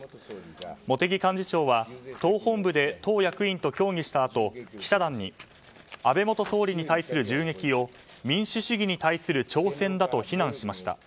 茂木幹事長は党本部で党役員と協議したあと記者団に安倍元総理に対する銃撃を民主主義に対する挑戦だと非難しました。